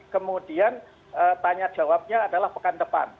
kemudian tanya jawabnya adalah pekan depan